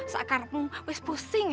seakan harapmu wess pusing ya